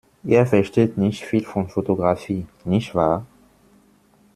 Ihr versteht nicht viel von Fotografie, nicht wahr?